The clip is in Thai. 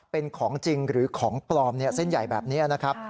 เป็นของจริงหรือของปลอมเส้นใหญ่แบบนี้นะครับ